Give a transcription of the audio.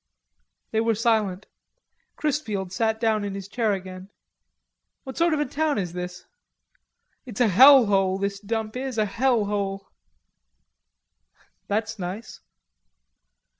They were silent. Chrisfield sat down in his chair again. "What sort of a town is this?" "It's a hell hole, this dump is, a hell hole." "That's nice."